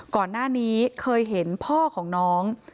ก่อนหน้านี้เคยเห็นพ่อของน้อง